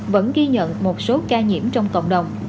vẫn ghi nhận một số ca nhiễm trong cộng đồng